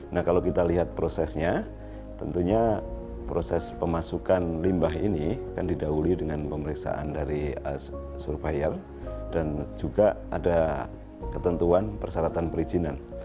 nah kalau kita lihat prosesnya tentunya proses pemasukan limbah ini kan didahului dengan pemeriksaan dari survier dan juga ada ketentuan persyaratan perizinan